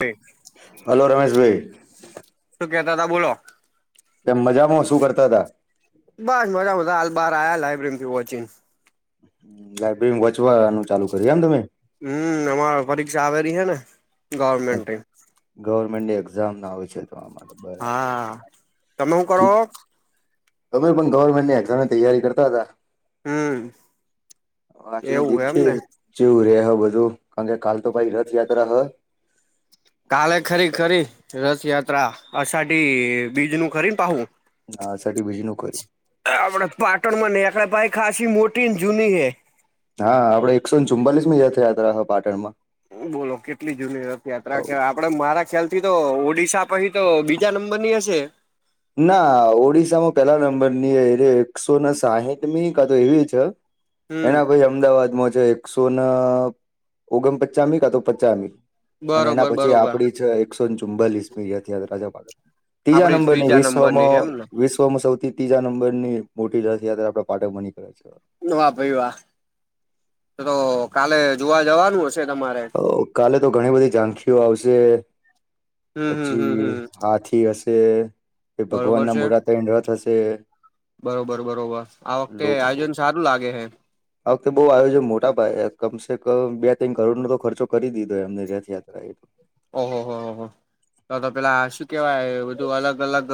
શું હલો રમેશભઈ શું કેતાતા બોલો. કેમ મજામાં? શું કરતા તા? બસ મજા મજા. હાલ બહાર આયા લાયબ્રેરીમાંથી વોચિન. લાઈબ્રેરીમાં વોચવાનું ચાલુ કર્યું એમ તમે? હમ અમાર પરીક્ષા આવેરી હૈ ને ગવર્મેન્ટની. ગવર્મેન્ટની એક્ઝામ આવે છે. તો આ માટે બરાબર હા. તમે હું કરો? અમે પણ ગવર્મેન્ટની એક્ઝામની તૈયારી કરતા તા. હમ આજે એવું દીપ એમ છે. ને જેવું રે આ બધું અન કાલ તો ભાઈ રથયાત્રા હ. કાલે ખરી ખરી રથયાત્રા અષાઢી બીજનું ખરી ને પાહું. આ અષાઢી બીજનું કરી આપણે પાટણમાં નેકળે ભાઈ ખાસી મોટીન જૂની હૈ. હા આપડે એકસો ને ચુમાલીસમી રથયાત્રા હ પાટણમાં. બોલો કેટલી જૂની રથયાત્રા કે આ આપડે મારા ખ્યાલ થી તો ઓડિશા પછી તો બીજા નંબર ની હશે. ના ઓડિશામાં પેલા નંબર ની એકસો સાહીઠ મી કા તો એવી છે. હમ એના પહી અમદાવાદમાં છે એકસો ના ઓગણપચમી કા તો પચમી. અને એના બરોબર પછી બરોબર આપડી છે એકસો ચુમ્બાલીસ મી યથયાત રાજાપડ. આપણી ત્રી વિશ્વમાં વિશ્વમાં સૌથી ત્રીજા નંબરની મોટી રથયાત્રા આપે પાટક બની કરે છે. વા ભાઈ વાહ, તો તો કાલે જોવા જવાનું હશે તમારે? તો કાલે તો ઘણી બધી ઝાંખીઓ આવશે, હમ હમ હમ પછી હમ હાથી હશે. તે એ ભગવાન બરોબર ના છે મોરા તઈન રથ હશે. લોક ચાલું લાગે હૈ. આ વખતે બહુ આયોજન મોટા પાયે કમસે કમ બે ત્રણ કરોડ નો તો ખર્ચો કરી દીધો એમને રથયા ઓહો હો હો [unintelligible] તો તો પેલા શું કેવાય બધું અલગ અલગ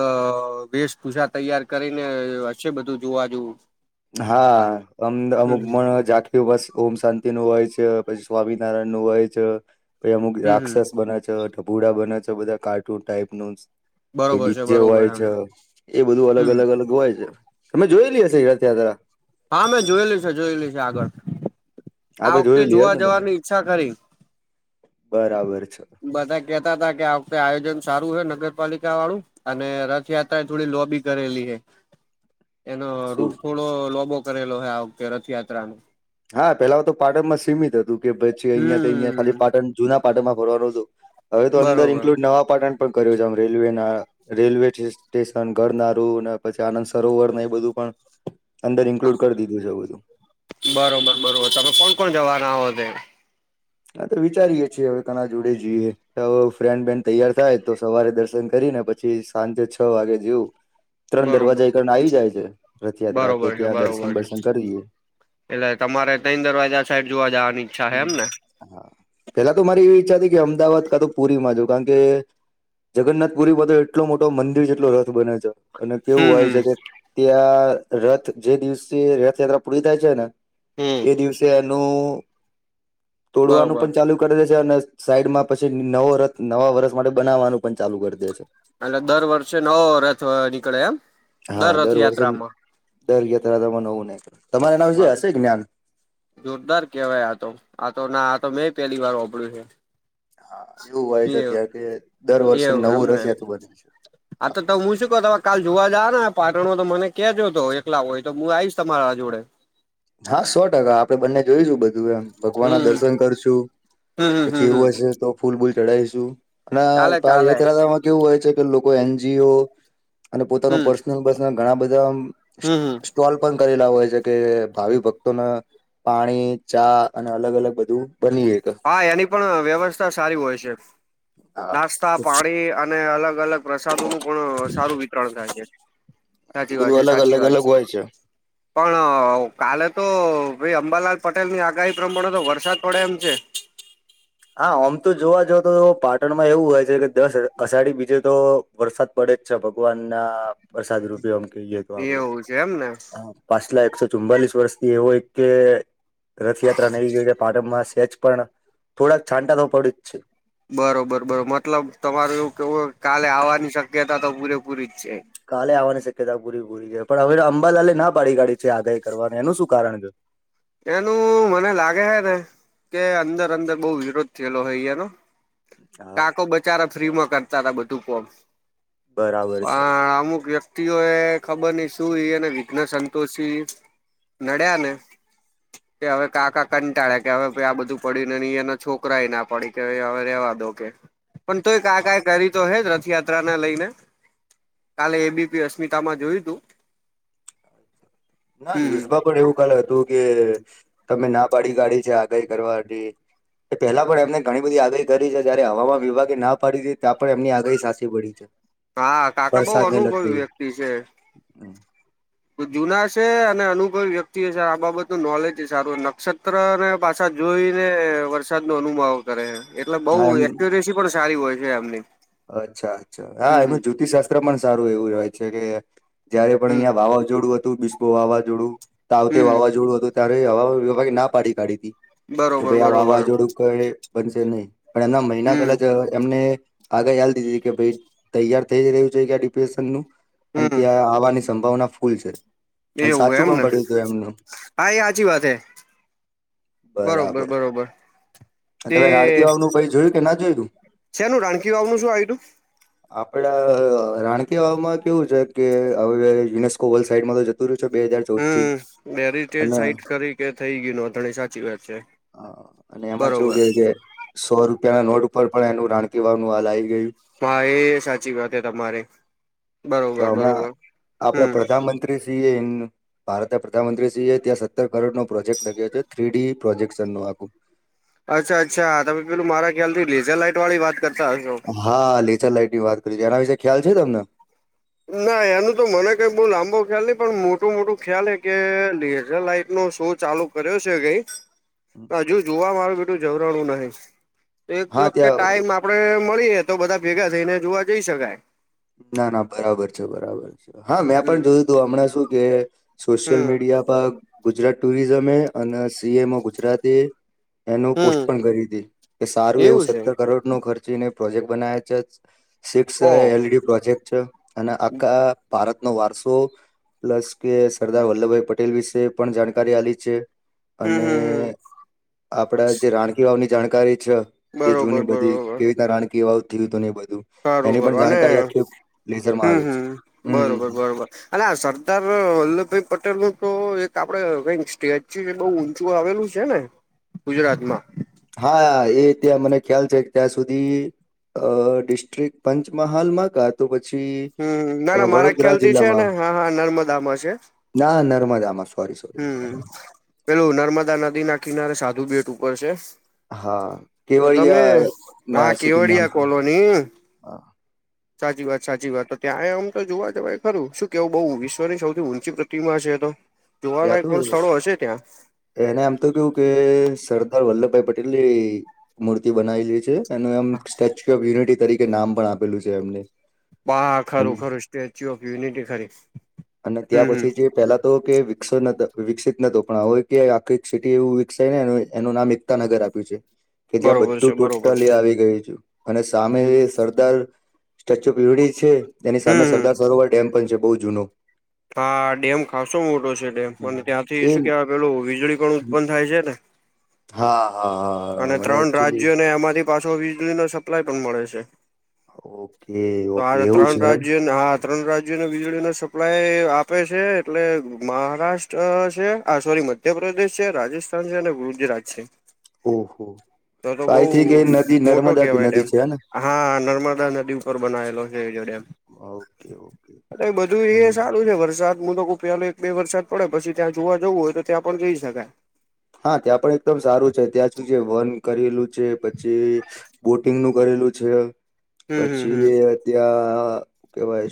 વેશભૂજા તૈયાર કરીને છે બધું જોવા જવું. હા અમ અમુક માં જાગ બસ ઓમ શાંતિ નું હોય છે, પછી સ્વામિનારાયણ નું હોય છે પછી અમુક હમ હમ રાક્ષસ બને છ [inaudible] બુડા બને છે બધા કાર્ટૂન ટાઈપ નું. પ બરોબર છે ડીજે બરોબર હોય આમ છે એ બધું અલગ હમ અલગ અલગ હોય છે, તમે જોયેલી હશે યાત્રા. હા, મેં જોયેલી છે, જોયેલી છે આગળ. આ આગળ વખતે જોયેલી એમ જોવા ને તમે જવાની ઈચ્છા કરી. બરાબર છે. બધા કેતા હતા કે આ વખતે આયોજન સારું છે નગરપાલિકા વાળું. અને રથયાત્રા એ થોડી લોબી કરેલી હે. એનો શું રૂટ થોડો લોબો કરેલો હો આ વખતે રથયાત્રા ન. હા પેલા તો પાટણ માં સીમિત હતું કે પછી અહિયા ત અહિયાં હમ ખા પાટણ જૂના પાટણમાં ભરવાનું હતું. હવે તો અંદર બરોબર ઇન્કલુડ નવા પાટણ પણ કર્યું છે આમ રેલવે ના રેલવે સ્ટેશન, ઘરનારું પછી આનંદ સરોવર એ બધું પણ અંદર ઇન્ક્લુડ હા કરી દીધું છેવું બધું. બરોબર બરોબર તમે કોણ કોણ જવાના હો તે? હા તો વિચારીએે છીએ હવે ઘના જોડે જઈએ. ફ્રેન્ડ બેન તૈયાર થાય. તો સવારે દર્શન કરીને, પછી સાંજે છ વાગે જવું. ત્રણ બરોબર દરવાજા કરને આવી જાય છે. રથયાત્રા તો બરોબર છે ત્યાં દર્શન બરોબર છે દર્સન કરી લીએ. એટલે તમારે તન દરવાજા સાઈડ જોવા જવાની ઈચ્છા છે એમ ને હા, પેલા તો મારી એવી ઈચ્છા હતી કે, અમદાવાદ કા તો પુરી માં જોવ કારણ કે જગન્નાથપુરી માં તો એટલો મોટો મંદિર જેટલો રથ બને છે. અને કેવું હમ હોય હમ છે કે, ત્યાં રથ જે દિવસે રથયાત્રા પૂરી થાય છે ને એ એ દિવસે એનું તોડવાનું બરોબર પણ ચાલુ કરી દે છે અને સાઈડમાં પછી નવો રથ નવા વરષ માટે બનાવવાનું પણ ચાલુ કરી દે છે. એટલે દર વર્ષે નવો રથ નીકળે એમ? હા દર વર્ષે રથયાત્રામાં દર યાત્રા તમે નવું નાઈખું, તમાર એના હા વિશે હશે જ્ઞાન. જોરદાર કેવાય આ તો આ તો ના આ તો મેં પેલી વાર ઓપડ્યું છે. હા, એવું હોય છે. ત્યાં કે દર વર્ષે નવું રસતું બને છે. આ તો ત હું શું કહ તમે કાલ જોવા જાવ ને પાટણમાં તો, મને કેજો તો એકલા હોય તો હું આવીશ તમારા જોડે. હા સો ટકા, આપડે બંને જોઈશું બધું એમ. ભગવાન ના હમ દર્શન કરશું હમ હમ હમ પછી હમ એવું હશે તો, ફૂલ બૂલ ચઢાવીશું. અને ચાલે પાહી આ ચાલે રથયાતામાં કેવું હોય છે કે, લોકો એન જી ઓ અને પોતાનું હમ પર્સનલ બસ ઘણા બધા આમ હમ હમ ટોલ પણ કરેલા હોય છે, કે ભાવિ ભક્તોને પાણી, ચા અને અલગ અલગ બધું બની હકે હા એની પણ વ્યવસ્થા સારી હોય છે. નાસ્તા, પાણી અને અલગ અલગ પ્રસાદોનું પણ સારું વિતરણ થાય છે. એ સાચી વાત બધું છે, અલગ સાચી અલગ વાત અલગ છે. હોય પણ કાલે તો ભાઈ અંબાલાલ પટેલની આગાહી પ્રમાણે તો વરસાદ પડે એમ છે. હા ઓમ તો જોવા જ તો પાટણમાં એવું હોય છે, કે દસ અષાઢી બીજે તો વરસાદ પડે જ છે, ભગવાનના પ્રસાદ રૂપે આમ કહીએ તો આપડે એવું છે એમ ને હ પાછલા એકસો ચુમ્બલીસ વર્ષથી એવો એક કે રથયાત્રા નહી ગઈ પાટણમાં સેચ પણ થોડાક છાંટા તો પડ જ છે. બરોબર બરોબર મતલબ તમારું એવું કેવું કાલે આવવાની શક્યતા તો પૂરેપૂરી જ છે. કાલે આવવાની શક્યતા પૂરી પૂરી કે પણ હવે અંબાલાલે ના પાડી કાઢી છે, આગાહી કરવાનું એનું શું કારણ છે? એનું મને લાગે હે ને કે અંદર અંદર બો વિરોધ થયેલો અહે અયાનો હા કાકો બચારા ફ્રી માં કરતા તા બધું કોમ બરાબર છે હા અમુક વ્યક તિઓએ ખબર ની શું એ અને વિઘ્ન સંતોષી નડ્યા ને કે હવે કાકા કંટાળ્યા કે હવે આ બધું પડીને ની એના છોકરાય ના પડી કે હવે રેવા દો કે પણ તોય કાકા એ કરી તો હે રથયા ત્રાને લઈને કાલે એ બી પી અસ્મિતામાં જોયું તું ના હમ ન્યૂઝમાં પણ એવું કાલ હતું કે તમે ના પાડી કાઢી છે, આગાહી કરવાથી એ પેલા પણ એમને ઘણી બધી આગાહી કરી છે, જયારે હવામાન વિભાગે ના પાડી તી ત્યાં પણ એમની આગાહી સાચી પડી [inaudible] હા કાકા બો વરસાદને અનુભવી લગતી વ્યક્તિ છે. જુના છે, અને અનુભવ વ્યક્તિએ છે, આ બાબત નું નોલેજ સારું નક્ષત્ર ને પાછા જોઈ ને વરસાદ નો અનુમાવ કરે એટલે બઉ હા એમ એક્યુરેસી પણ સારી હોય છે, એમની અચ્છા અચ્છા હા એનું હમ જ્યોતિશાસ્ત્ર પણ સારું એવું હોય છે, કે જયારે પણ હમ અહંયા વાવા જોડું હતું બીસ્પો વાવાઝોડું તાવતે હમ વાવાઝોડું હતું ત્યારે હવા વિભાગે ના પાડી કાઢી તી કે બરોબર ભાઈ આ બરોબર વાવાઝોડું કઈ બનશે નહી પણ એમના મહિના પેલા હમ જ એમને આગહી યાલ દીધી કે ભાઈ તૈયાર થઈ જ રહ્યું છે, ક્યાં ડિપ્રેશનનું અન હમ ત્યાં આવાની સંભાવના ફૂલ છે. અને એવું સાચું પણ એમને પડ્યું હતું એમનું હા એ સાચી વાત હે બરોબર બરાબર બરોબર. અને તે તમે રાણકી વાવનું ભાઈ જોયું કે ના છે, નું રાણકી વાવનું શું આયુ તું . આપડા રાણકી વામાં કેવું છે, કે હવે યુનેસ્કો વર્લ્ડ સાઈડમાં તો જ તુ રયુ છે, બેે હજાર ચૌવુદ થી બેરિટેજ અને સાઈટ કરી કે થઈ ગયું નોથણી સાચી વાત છે, અ, [unintelligible] બરો કે કે સો રૂપિયા ના નોટ ઉપર પણ એનું રાણકી વાવનું હાલ આવી ગયું મા એ સાચી વાત હે તમારે તો હમણાં હમ આપડા પ્રધાનમંત્રીશ્રીએન ભારતના પ્રધાનમંત્રીશ્રીએ ત્યાં સત્તર કરોડનો પ્રોજેક્ટ લગ્યો તો થ્રી ડી પ્રોજેકશન નું આખું. અચ્છા અચ્છા તમે પેલું મારા ખ્યાલથી લેઝર લાઈટ વાળી વાત કરતા હશો. હા લેચર લાઈટની વાત કરી છે, એના વિશે ખ્યાલ છે, તમને? ના એનું તો મને કઈ બો લાંબો ખ્યાલ ની પણ મોટું મોટું ખ્યાલ હે કે લેઝર લાઈટ નો શો ચાલુ કર્યો છે, કય હજુ જોવા મારું બધુ જવરણું નહી એક હા વખતે ત્યાં ટાઈમ આ આપણે મળીએ તો બધા ભેગા થઈને જોવા જઈ શકાય ના ના બરાબર છે બરાબર છે હા મેં હમ પણ જોયું તું હમણાં શું કે સોશિયલ હમ મીડિયા પર ગુજરાત ટુરિઝમે અન સીએમ ઓ ગુજરાતે એનું પોસ્ટ હમ પણ કરીતી કે સારું એવું સત્તર કરોડ નો ખર્ચીને પ્રોજેક્ટ બનાયા છે. સિક્સ છે ઓ એલઈડી પ્રોજેક્ટ છે અને આખા ભારત નો વારસો પ્લસ કે સરદાર વલ્લભભાઈ પટેલ વિશે પણ જાણકારી આલી છે. હમ અને હમ હમ આપડા જે રાણકી વાવની જાણકારી છે. કે બરોબર જૂની બધી બરોબર કેવી રીતના રાણકી વાવ ગીરિતો ને એવુ બ સારું કરું અને લેઝરમાં હમ આવે છે હમ બરોબર હમ બરોબર. અનેઆ સરદાર વલ્લભભાઈ પટેલ નું તો એક આપડે કઈક સ્ટેચ્યુ બઉ ચું આવેલું છે ને ગુજરાત માં. હા એ ત્યાં મને ખ્યાલ છે ત્યાં સુધી અ ડિસ્ટ્રિક્ટ પંચમહાલમાંગા તો પછી હમ ના ના મારા વડોદરા ખ્યાલ થી છે ને જિલ્લામાં. હા હા નર્મદામાં છે ના નર્મદામાં. સોરી સોરી હમ નર્મદામાં પેલું નર્મદા નદી ના કિનારે સાધુ બેટ ઉપર છે. હા તો તમે કેવડિયા ના હા સિટી નામ કેવડિયા છે કોલોની. હા સાચી વાત સાચી વાત તો ત્યાં આમ તો જોવા જવાય ખરું શું કેવું બહુ વિશ્વની સૌથી ઊંચી પ્રતિમા છે તો. જોવાલાયક કો સ્થળો હશે ત્યાં તેને આમ તો કેવું કે સરદાર વલ્લભભાઈ પટેલ ની મૂર્તિ બનાવેલી છે. એનું એમ સ્ટેચ્યુ ઓફ યુનિટી તરીકે નામ પણ આપેલું છે એમને. બા ખરું ખરું સ્ટેચ્યુ ઓફ યુનિટી ખરી. અને ત્યાં હમ હમ પછી જે પેલા તો કે વિકસો નતા વિકસિત નતો પણ હવે કે આખી સિટી એવું વિકસાય ને એનું નામ એક કતા નગર આપ્યું છે. કે જ્યાં બધું બરોબર છે બરોબર છે ટોટલી આવી ગયું છું અને સામે હમ સરદાર સ્ટેચ્યુ ઓફ યુડી છે તેની સામે હમ સરદાર સરોવર ડેમ પણ છે બહુ જૂનો. હા ડેમ ખાસો મોટો છે ડેમ અને હમ. ત્યાંથી એ શું કેવાય પેલું વીજળી પણ ઉત્પન્ન થાય છે ને. હા હા હા. અને મને ત્રણ એકચુલી રાજ્યોને એમાંથી પાછો વીજળીનો સપ્લાય પણ મળે છે. ઓકે હા તો ઓકે આ એવું ત્રણ છે એમ રાજ્યો ને હા ત્રણ રાજ્યોને વીજળી ન સપ્લાય આપે છે એટલે મહારાષ્ટ્ર છે આ સોરી મધ ધ્યપ્રદેદેશ છે રાજસ્થાન છે અને ગુજરાત છે. ઓહો તો તો બઉ આઈ થિંક એ નદી મોટો નર્મદા કી કેવાય નદી ડેમ છે હેન. હા નર્મદા નદી ઉપર બનાવેલો છે એર્યો ડેમ. Okay okay. એટલે એ બધું એ હમ સારું છે વરસાદ મુુંલોકો પેલે એક બે વરસાદ પડે પી ત્યાં જોવા જવું હોય તો ત્યાં પણ જઈ શકાય. હા ત્યાં પણ એકદમ સારું છે ત્યાં સુ જે વન કરેલું છે પછી બોટિંગ નું કરેલું છે હમ હમ પછીએ હમ ત્યાં કહેવાય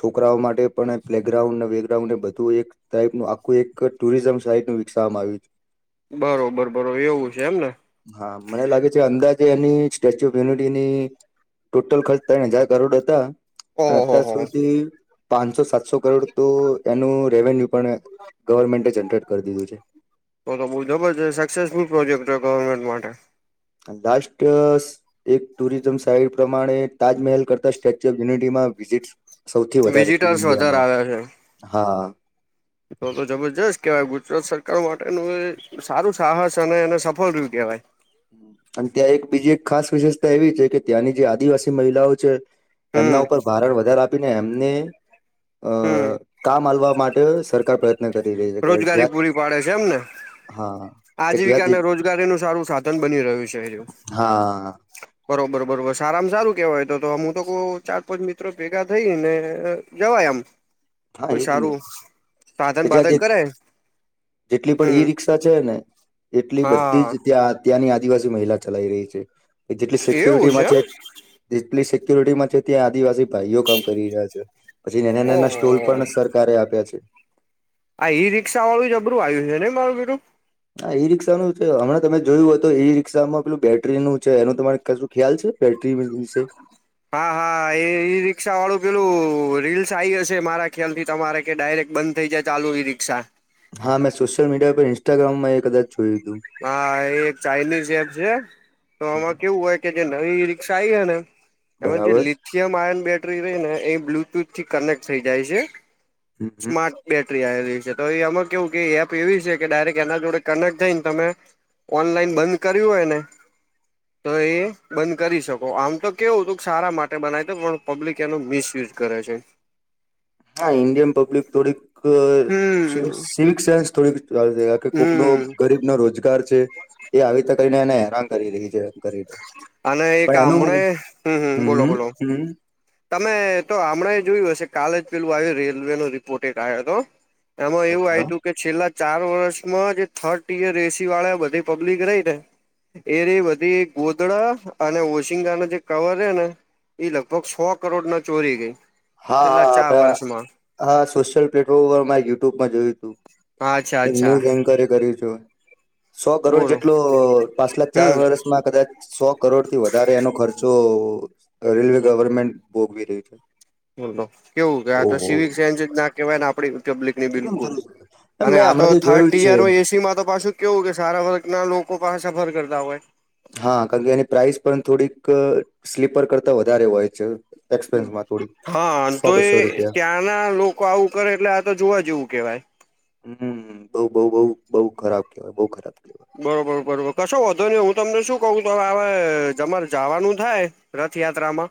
છોકરાઓ માટે પણ પ્લેગ્રાઉન્ડ ને વેગ્રાઉન્ડ એ બધું એક ટાઈપનું આખું એક ટુરિઝમ સાઇટ નું વિકસાવવામાં આવ્યું છે. બરોબર બરોબર એવું છે એમને. હા મને લાગે છે અંદાજે એની સ્ટેચ્યુ ઓફ યુનિટીની ટોટલ ખર્ચ તૈણ હજાર કરોડ હતા. અને ઓહો હો અત્યાર હો સુધી પાંચસો સાતસો કરોડ તો એનું રેવન્યુ પણ ગવર્મેન્ટે જનરેટ કરી દીધું છે. તો તો બહુ જબરજસ સક્સેસફુલ પ્રોજેક્ટ છે ગવર્મેન્ટ માટે. લાાસ્ટ સ એક ટુરિઝમ સાઈટ પ્રમાણે તાજમહેલ કરતા સ્ટેચ્યુ ઓફ યુનિટીમાં વિઝિટ સૌથી વધારે હતી વિઝિટર્સ વધારે ઇન્ડિયામાં આવે છે હા. તો તો જબરજસ્ત કહેવાય ગુજરાત સરકાર માટેનું એ સારું સાહસ અને એને સફળ રીવુ કહેવાય. અને ત્યાં એક બીજી એક ખાસ વિશેષતા એવી છે કે ત્યાંની જે આદિવાસી મહિલાઓ છે. હમ એમના ઉપર ભારણ વધારા આપીને એમને અ હું. કામ આલવા માટે સરકાર પ્રયત્ન કરી રહી છે કે જ્યાં રોજગારી પૂરી પાડે છે એમને હા કે ત્યાં જે આજીવિકાને રોજગારીનું સારું સાધન બની રહ્યું છે એવું. હા બરોબર બરોબર સારામાં સારું કેહેવાય તો તો હું તો કો ચાર પાંચ મિત્રો ભેગા થઈ ને જવાય આમ. હા કોઈ એજ ને સારું સાધન પજ બાધન કરે જેટલી પણ હમ ઈ રિકષા છે ને એટલી બધી હા જ ત્યાં ત્યાંની આદિવાસી મહિલા ચલાઈ રહી છે જેટલી એવું સિક્યુરિટીમાં છે. એમ લી સિકુરિટીમાં છે ત્યાં આદિવાસી ભાઈઓ કામ કરી રહ્યા છે પછી નાના નાના તોલ ઓહો પણ સરકારે આપ્યા છે. આ ઈ રિક્ષા વાળું જબરું આયોજન છે નઈ મારું બીરું. હા ઈ રિક્ષાનું છે હમણાં તમે જોયું હો તો ઈ રિક્ષામાં પેલું બેટરીનું છે એનું તમારે કશું ખ્યાલ છે. બેટરી વિ વિશે. હા હા એ ઈ રિક્ષા વાળું પેલું રીલ્સ આ આવી જશે મારા ખ્યાલ થી તમારે કે ડાયરેક્ટ બંધ થઇ જાય ચાલુ એ રીક્ષા. હા મેં સોશિલ મડિયા પર ઇન્સ્ટાગ્રામમાં કદચ જોયું હતું. હા એ એક ચાઇનીઝ એપ છે તો આમાં કેવું હોય. કે જે નવી રિક્ષા આઈ હે ને એમાં જે બરાબર લી સીમ આયન બેટરી રહી ને એ બ્લુટુથ થી કનેક્ટ થઈ જાય છે હમ સ્માર્ટ બેટરી આવેલી છે તો એ એમાં કેવું કે એપ એવી છે કે ડાયરેક્ટ એના જોડે કનેક્ટ થ‌ઇન. તમે ઓનલાઈન બંધ કર્યું હોય ને. [inaudible] તો એ બંધ કરી શકો આમ તો કેવું હતું સારા માટે બનાવી તો પણ પબ્લિક એનો મિસયુઝ કરે છે. હા ઇન્ડિયન પબ્લિક થોડીક અ હમ્મ. સિલ્ક સેન્સ થોડીક. કોક નો હમ્મ ગરીબ નો રોજગાર છે એ આવી ત કરીને એને હેરાન. કરી રહી છે પણ અને એક હમણે એનું હમ્મ હમ્મ બોલો બોલો હમ તમે તો હમણાં જોયું હશે કાલે જ પેલું આવ્યું રેલવે નો રિપોર્ટ એક આયો તો. એમાં એવું અચ્છા આયું તું કે. છેલ્લા ચાર વર્ષમાં જે થર્ડ ટીયર એસી વાળા બધી પબ્લિક રહી ને. એરી બધી ગોધડા અને ઓશીંગા ના જે કવર રયા ને. ઈ લગભગ સો કરોડ ના ચોરી ગઈ. હા છેલ્લા હા ચાર આપે વર્ષમાં હા સોશિયલ પ્લેટફોર્મ પર મારે યુટ્યુબમાં જોયું તું. અચ્છા એક અચ્છા ન્યૂઝ એન્કરે કરીયુ તુ. સો કરોડ બોલો જેટલો પાછલા ચાર હમ્મ વર્ષમાં કદાચ સો કરોડ થી વધારે એનો ખર્ચો રેલવે ગવર્મેન્ટ ભોગવી રહ્યું છે. બોલો કેવું કે આ તો ઓહો સિવિક સાયન્સ જ ના કહેવાય ને આપડી પબ્લિક ની એકદમ બિલકુલ જરૂર મેં અને આ તો હમણાંથી થર્ડ જોયું ટીયર છે હોય એસી માં તો પાછું કેવું કે સારા વર્ગ ના લોકો પાસા સફર કરતા હોય. હા કારણકે એની પ્રાઇસ પણ થોડીક સ્લીપર કરતાં વધારે હોય છે. એક્સપેન્સમાં થોડીક હા સો તોએ બસો રૂપિયા ત્યાંના લોકો આવું કરે એટલે આ તો જોવા જેવું કેવાય. હમ બઉ બઉ બઉ બઉ ખરાબ કેવાય બઉ ખરાબ કેવાય. બરોબર બરોબર કશો વોધો નહી હું તમને શું કઉ આ જમારે જાવાનું થાય રથ યાત્રામાં.